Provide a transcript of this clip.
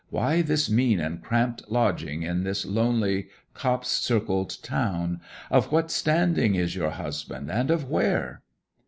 Why this mean and cramped lodging in this lonely copse circled town? Of what standing is your husband, and of where?'